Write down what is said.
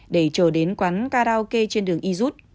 để chờ đến quán karaoke trên đường